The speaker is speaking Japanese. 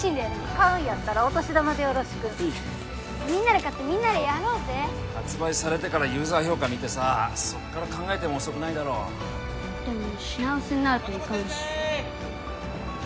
買うんやったらお年玉でよろしくみんなで買ってみんなでやろうぜ発売されてからユーザー評価見てさそっから考えても遅くないだろうでも品薄になるといかんし南雲先生！